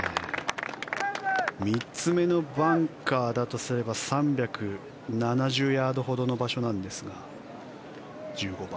３つ目のバンカーだとすれば３７０ヤードほどの場所なんですが、１５番。